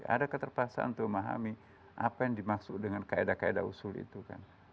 ada keterpaksaan untuk memahami apa yang dimaksud dengan kaedah kaedah usul itu kan